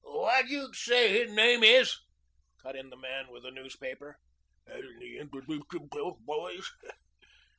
"Whad you say his name is?" cut in the man with the newspaper. "Hasn't he introduced himself, boys?"